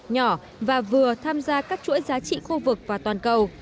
nhỏ và vừa tham gia các chuỗi giá trị khu vực và toàn cầu